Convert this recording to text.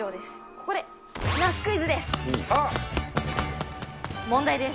ここでナスクイズです。